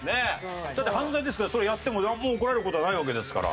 だって犯罪ですからそれやってもなんも怒られる事はないわけですから。